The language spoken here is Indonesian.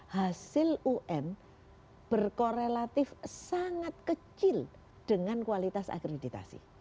hasil un berkorelatif sangat kecil dengan kualitas akreditasi